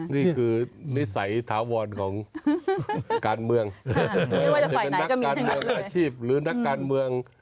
ไม่ใส่ทะวอนของการเมือง